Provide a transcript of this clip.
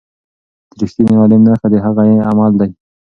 د رښتیني عالم نښه د هغه عمل دی.